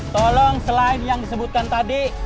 tolong selain yang disebutkan tadi